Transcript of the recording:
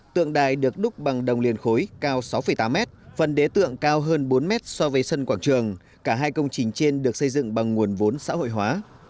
tượng đài được đúc bằng đồng liền khối cao sáu tám mét phần đế tượng cao hơn bốn mét so với sân quảng trường cả hai công trình trên được xây dựng bằng nguồn vốn xã hội hóa